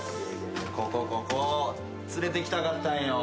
ここここ連れてきたかったんよ。